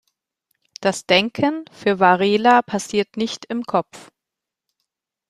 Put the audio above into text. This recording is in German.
Das Denken, für Varela, passiert nicht im Kopf.